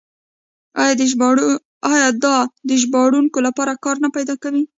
آیا دا د ژباړونکو لپاره کار نه پیدا کوي؟